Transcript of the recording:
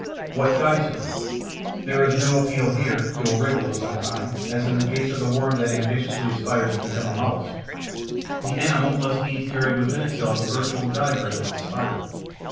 What guides her? There is no appeal here to a wriggle of some kind, as in the case of the Worm that ambitiously aspires to become a Mollusc. The animal must needs carry within itself a virtual diagram of its spiral.